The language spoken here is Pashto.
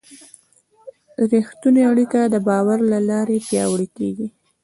رښتونې اړیکه د باور له لارې پیاوړې کېږي.